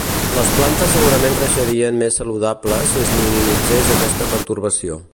Les plantes segurament creixerien més saludables si es minimitzés aquesta pertorbació.